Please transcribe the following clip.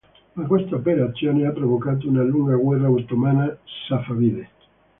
Ma questa operazione ha provocato una lunga guerra ottomana safavide.